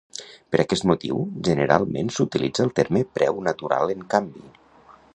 Per aquest motiu, generalment s'utilitza el terme "preu natural" en canvi.